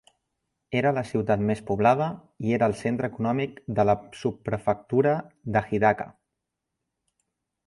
Era la ciutat més poblada i era el centre econòmic de la subprefectura de Hidaka.